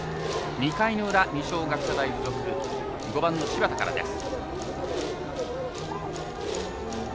２回の裏、二松学舎大付属５番の柴田からです。